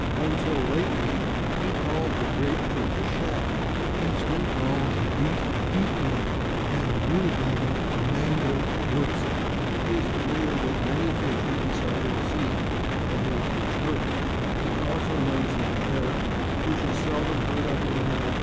Until lately he called the /grapefruit/ a /shaddock/. He still calls the /beet/ a /beet root/ and the /rutabaga/ a /mangel wurzel/. He is familiar with many fish that we seldom see, /e. g./, the /turbot/. He also knows the /hare/, which is seldom heard of in America.